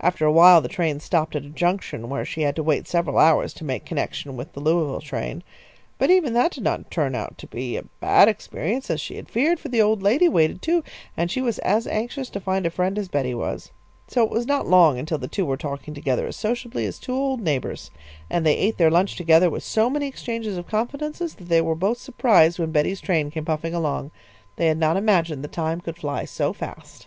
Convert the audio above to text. After awhile the train stopped at a junction where she had to wait several hours to make connection with the Louisville train. But even that did not turn out to be a bad experience, as she had feared, for the old lady waited too, and she was as anxious to find a friend as Betty was. So it was not long until the two were talking together as sociably as two old neighbours, and they ate their lunch together with so many exchanges of confidences that they were both surprised when Betty's train came puffing along. They had not imagined the time could fly so fast.